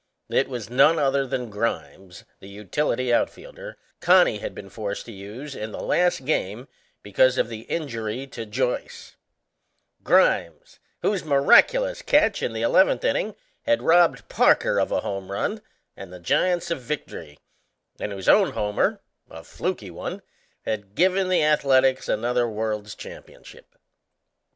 It was none other than Grimes, the utility outfielder Connie had been forced to use in the last game because of the injury to Joyce Grimes, whose miraculous catch in the eleventh inning had robbed Parker of a home run and the Giants of victory, and whose own homer a fluky one had given the Athletics another World's Championship.